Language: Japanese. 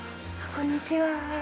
こんにちは。